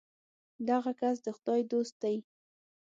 دغه کس د خدای دوست دی.